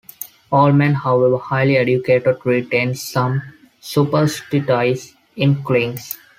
All men, however highly educated, retain some superstitious inklings.